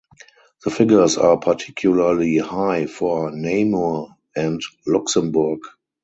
The figures are particularly high for Namur and Luxembourg.